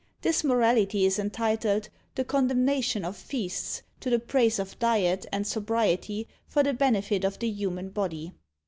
This Morality is entitled, "The Condemnation of Feasts, to the Praise of Diet and Sobriety for the Benefit of the Human Body."